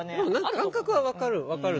感覚は分かる。